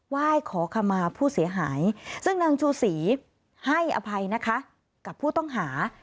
ไหว้ขอขมาผู้เสียหายซึ่งนางชูศรีให้อภัยนะคะกับผู้ต้องหา